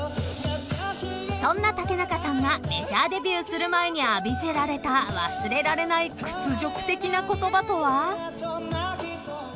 ［そんな竹中さんがメジャーデビューする前に浴びせられた忘れられない屈辱的な言葉とは］